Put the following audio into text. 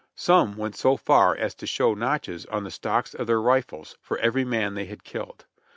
Some went so far as to show notches on the stocks of their rifles for every man they had killed.